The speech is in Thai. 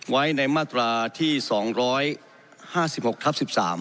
ไว้ในมาตราที่๒๕๖ทับ๑๓